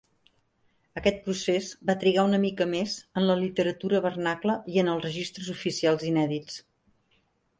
Aquest procés va trigar una mica més en la literatura vernacla i els registres oficials inèdits.